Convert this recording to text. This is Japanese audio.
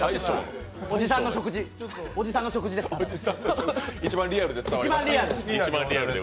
おじさんの食事です、ただの。